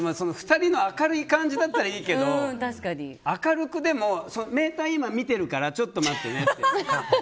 ２人の明るい感じだったらいいけどメーター見てるから今ちょっと待ってねって。